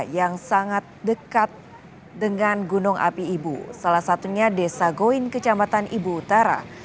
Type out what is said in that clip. yang sangat dekat dengan gunung api ibu salah satunya desa goin kecamatan ibu utara